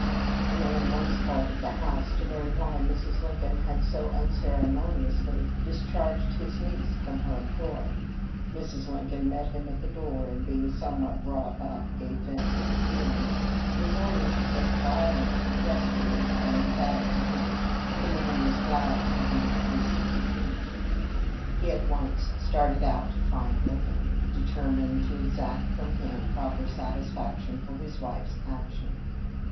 A man once called at the house to learn why Mrs. Lincoln had so unceremoniously discharged his niece from her employ. Mrs. Lincoln met him at the door, and being somewhat wrought up, gave vent to her feelings, resorting to such violent gest 430 THE LIFE OF LINCOLN. 1 ures and emphatic language that the man was glad to beat a hasty retreat. He at once started out to find Lincoln, determined to exact from him proper satisfaction for his wife's action.